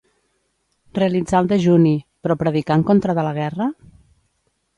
Realitzar el dejuni, però predicar en contra de la guerra?